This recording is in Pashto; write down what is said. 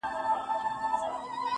نور به شاعره زه ته چوپ ووسو.